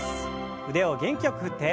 腕を元気よく振って。